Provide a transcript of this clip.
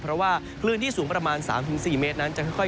เพราะว่าคลื่นที่สูงประมาณ๓๔เมตรนั้นจะค่อย